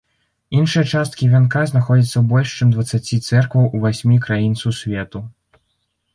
Іншыя часткі вянка знаходзяцца ў больш чым дваццаці цэркваў у васьмі краін сусвету.